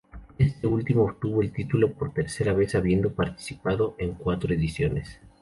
Este último obtuvo el título por tercera vez, habiendo participado en cuatro ediciones.